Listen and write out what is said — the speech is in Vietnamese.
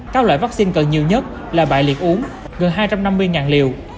các loại vaccine cần nhiều nhất là bại liệt uống gần hai trăm năm mươi liều